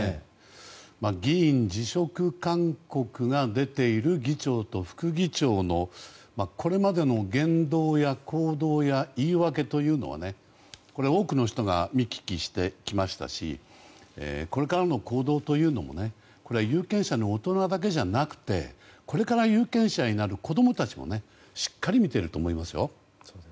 議員辞職勧告が出ている議長と副議長のこれまでの言動や行動や言い訳というのは多くの人が見聞きしてきましたしこれからの行動というのも有権者の大人だけじゃなくてこれから有権者になる子供たちもしっかり見ていると思いますよ。